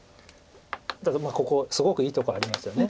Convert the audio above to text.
ここすごくいいとこありますよね。